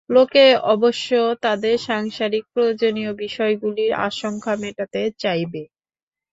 লোকে অবশ্য তাদের সাংসারিক প্রয়োজনীয় বিষয়গুলির আকাঙ্ক্ষা মেটাতে চাইবে।